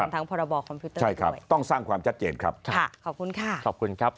ทั้งพรบคอมพิวเตอร์ใช่ครับต้องสร้างความชัดเจนครับค่ะขอบคุณค่ะขอบคุณครับ